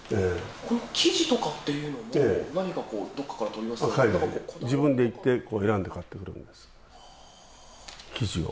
生地とかっていうのも、何かこう、海外で、自分で行って選んで買ってくるんです、生地を。